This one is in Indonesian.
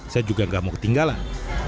saya juga gak mau ketinggalan